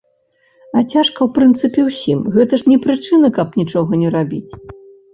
А цяжка ў прынцыпе ўсім, гэта ж не прычына, каб нічога не рабіць.